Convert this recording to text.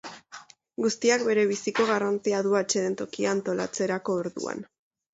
Guztiak, bere biziko garrantzia du atseden tokia antolatzerako orduan.